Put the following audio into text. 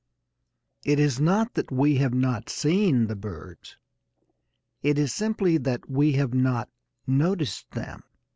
It is not that we have not seen the birds. It is simply that we have not noticed them.